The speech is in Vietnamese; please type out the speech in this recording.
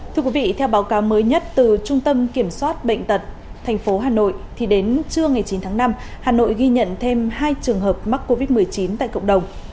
thưa quý vị theo báo cáo mới nhất từ trung tâm kiểm soát bệnh tật tp hà nội thì đến trưa ngày chín tháng năm hà nội ghi nhận thêm hai trường hợp mắc covid một mươi chín tại cộng đồng